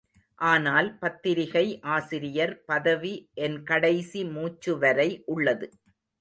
ஆனால் பத்திரிகை ஆசிரியர் பதவி என் கடைசி மூச்சு வரை உள்ளது.